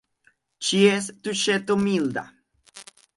Ĉies tuŝeto – milda.